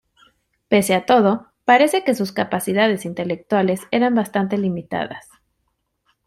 Pese a todo, parece que sus capacidades intelectuales eran bastante limitadas.